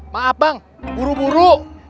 maaf bang buru buru